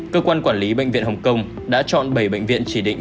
cơ quan quản lý bệnh viện hồng kông đã chọn bảy bệnh viện chỉ định